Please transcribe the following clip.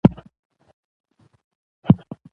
تنوع د افغانستان طبعي ثروت دی.